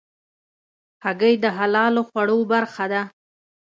هګۍ د حلالو خوړو برخه ده.